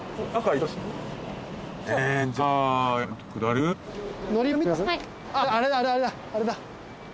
あぁあれだあれだ。